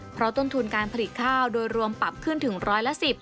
เพราะต้นทุนการผลิตข้าวโดยรวมปรับขึ้นถึงร้อยละ๑๐